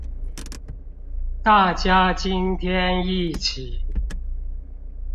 大家今天一起